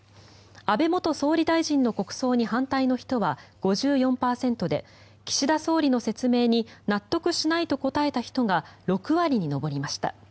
安倍元総理大臣の国葬に反対の人は５４％で岸田総理の説明に納得しないと答えた人が６割に上りました。